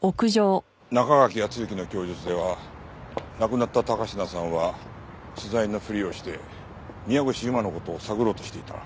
中垣淳之の供述では亡くなった高階さんは取材のふりをして宮越優真の事を探ろうとしていた。